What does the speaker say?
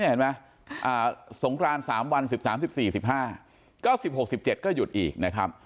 เห็นไหมสงคราน๓วัน๑๓๑๔๑๕ก็๑๖๑๗ก็หยุดอีกนะครับ